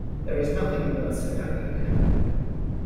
There is nothing mercenary in him.